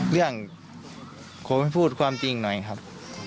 เรื่องขอให้พูดความจริงหน่อยครับ